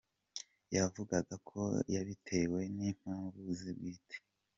Yavugaga ko yabitewe n’impamvu ze bwite.